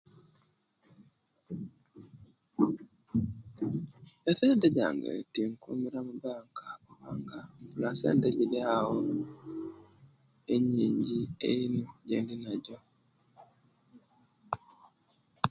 Esente jange tinkumira mubanka kubanga mbula sente gilyawo enyinji ino ejeninajo.